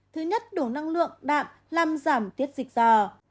thứ nhất đủ năng lượng đạm làm giảm tiết dịch dò